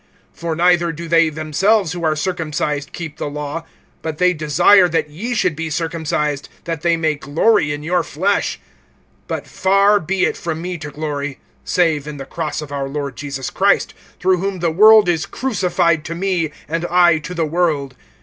(13)For neither do they themselves who are circumcised keep the law; but they desire that ye should be circumcised, that they may glory in your flesh. (14)But far be it from me to glory, save in the cross of our Lord Jesus Christ, through whom the world is crucified to me, and I to the world.